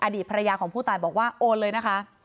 อดีตภรรยาของผู้ตายบอกว่าโอนเลยนะคะ